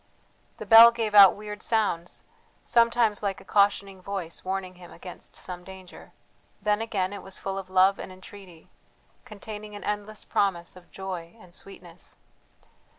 The bell gave out weird sounds, sometimes like a cautioning voice warning him against some danger then again it was full of love and entreaty, containing an endless promise of joy and sweetness.